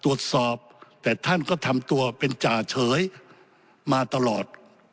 ตรวจสอบแต่ท่านก็ทำตัวเป็นจ่าเฉยมาตลอด